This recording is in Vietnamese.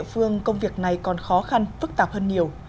ở các địa phương công việc này còn khó khăn phức tạp hơn nhiều